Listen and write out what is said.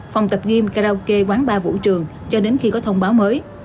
phòng tập game karaoke quán ba vũ trường cho đến khi có thông báo mới